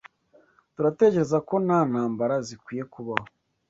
Turatekereza ko nta ntambara zikwiye kubaho.